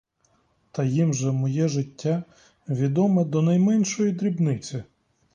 Та їм же моє життя відоме до найменшої дрібниці.